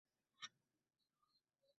ম্যাথিসের খুব ক্ষুরধার বুদ্ধি।